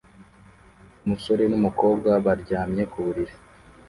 Umusore n'umukobwa baryamye ku buriri